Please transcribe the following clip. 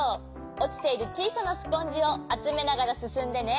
おちているちいさなスポンジをあつめながらすすんでね。